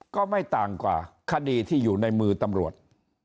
ก็ไม่ต่างกว่าคดีที่อยู่ในมือตำรวจ